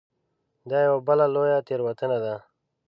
دا یوه بله لویه تېروتنه ده.